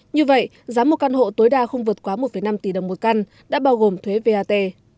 như vậy giá một căn hộ tối đa không vượt quá một năm tỷ đồng một căn đã bao gồm thuế vat